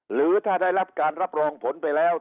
หรือถ้าได้รับการรับรองผลไปแล้ว